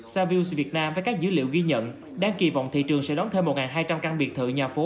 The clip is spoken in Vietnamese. savius việt nam với các dữ liệu ghi nhận đáng kỳ vọng thị trường sẽ đón thêm một hai trăm linh căn biệt thự nhà phố